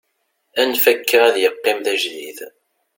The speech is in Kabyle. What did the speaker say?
anef akka ad yeqqim d ajdid